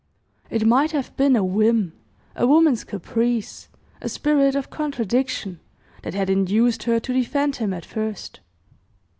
It might have been a whim, a woman's caprice, a spirit of contradiction, that had induced her to defend him at first.